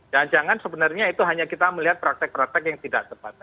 jangan jangan sebenarnya itu hanya kita melihat praktek praktek yang tidak tepat